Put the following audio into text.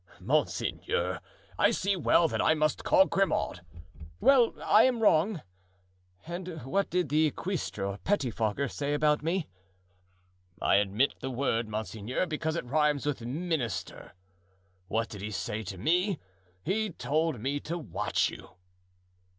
"Monseigneur, I see well that I must call Grimaud." "Well, I am wrong. And what did the cuistre [pettifogger] say about me?" "I admit the word, monseigneur, because it rhymes with ministre [minister]. What did he say to me? He told me to watch you."